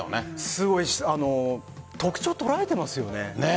すごいし特徴を捉えていますよね。